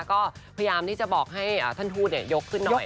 ก็พยายามที่จะบอกให้ท่านทูตยกขึ้นหน่อย